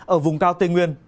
ở vùng cao tây nguyên